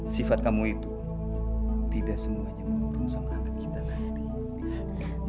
sifat kamu itu tidak semuanya mengurung sama anak kita lah